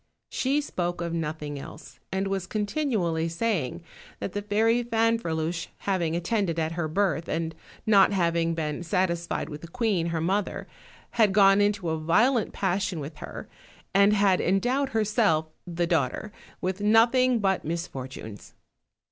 She spoke of nothing else, and was continually saying that the fairy Fanferluche having attended at her birth, and not having been satisfied with the queen her mother, had gone into a violent passion with her, and had en dowed herself, the daughter, with nothing but misfor tunes.